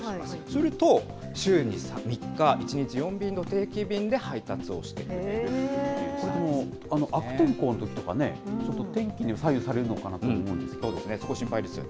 すると、週に３日、１日４便の定期便で配達をしてくれるというこ悪天候のときとか、ちょっと天気に左右されるのかなと思うんですが。